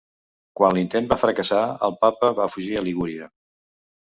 Quan l'intent va fracassar, el Papa va fugir a Liguria.